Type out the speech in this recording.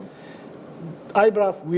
jadi ini berarti